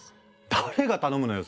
誰が頼むのよ